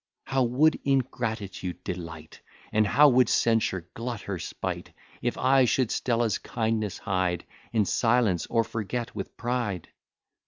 How would Ingratitude delight, And how would Censure glut her spite, If I should Stella's kindness hide In silence, or forget with pride!